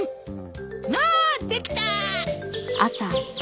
あできた！